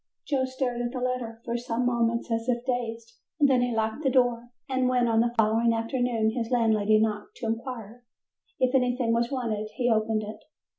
Joe stared at the letter for some moments as if dazed, then he locked the door, and when on the following afternoon his landlady knocked to inquire if anything was wanted he opened it.